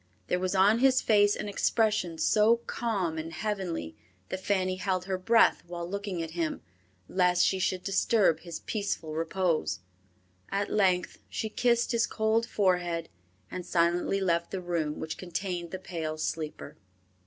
There was on his face an expression so calm and heavenly that Fanny held her breath while looking at him, lest she should disturb his peaceful repose. At length she kissed his cold forehead, and silently left the room which contained the pale sleeper.